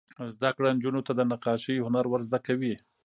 زده کړه نجونو ته د نقاشۍ هنر ور زده کوي.